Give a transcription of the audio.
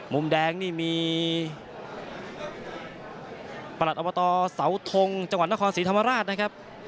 มุมแดงนี่มีประหลัดอบตเสาทงจังหวัดนครศรีธรรมราชนะครับ